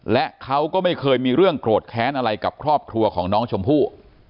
และเขาก็ไม่เคยมีเรื่องโกรธแค้นอะไรกับครอบครัวของน้องชมพู่